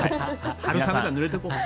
春雨だよ、ぬれていこう。